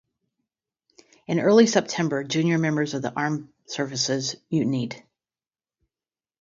In early September, junior members of the armed services mutinied.